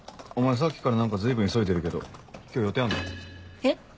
さっきから何か随分急いでるけど今日予定あんの？え？